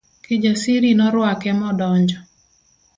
Kijasiri norwake modonjo.